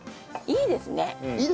いいですね！